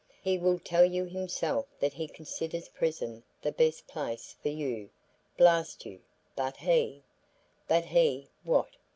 "He will tell you himself that he considers prison the best place for you. Blast you! but he " "But he, what?"